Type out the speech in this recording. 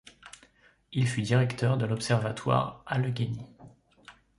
Il fut directeur de l'observatoire Allegheny.